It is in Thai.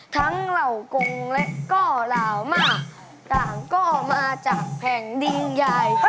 เหล่ากงและก็เหล่ามากต่างก็มาจากแผ่นดินใหญ่